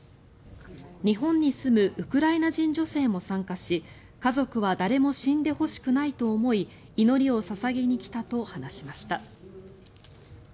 日本に住むウクライナ人女性も参加し家族は誰も死んでほしくないと思い祈りを捧げに来たと話しました。